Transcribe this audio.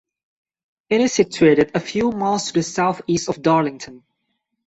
It is situated a few miles to the south-east of Darlington.